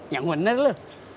yang bener lu